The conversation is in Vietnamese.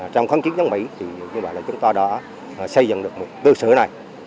trong kháng chiến chống mỹ thì như vậy là chúng ta đã xây dựng được một cơ sở này